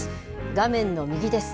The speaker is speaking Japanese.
画面の右です。